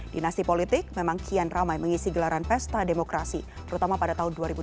dinasti politik memang kian ramai mengisi gelaran pesta demokrasi terutama pada tahun dua ribu dua puluh